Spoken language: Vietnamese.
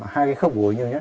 hai cái khớp gối nhiều nhất